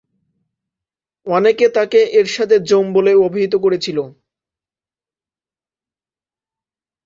অনেকে তাকে 'এরশাদের যম' বলে অভিহিত করেছিল।